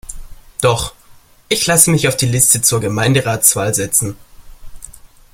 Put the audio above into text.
Doch, ich lasse mich auf die Liste zur Gemeinderatwahl setzen.